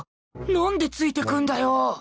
なんでついてくるんだよ！